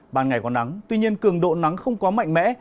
ban ngày có nắng tuy nhiên cường độ nắng không quá mạnh mẽ